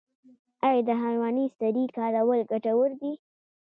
آیا د حیواني سرې کارول ګټور دي؟